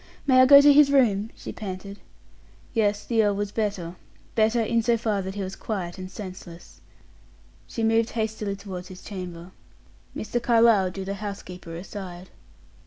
May I go to his room?" she panted. Yes, the earl was better better, in so far as that he was quiet and senseless. She moved hastily toward his chamber. Mr. Carlyle drew the housekeeper aside.